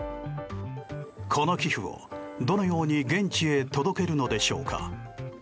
この寄付を、どのように現地へ届けるのでしょうか。